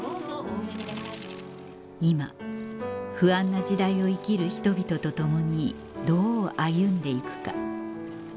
・今不安な時代を生きる人々と共にどう歩んで行くか？